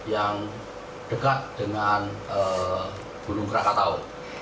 yang dekat dengan gunung krakatau